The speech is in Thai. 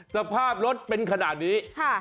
สภาพรถเป็นขนาดนี้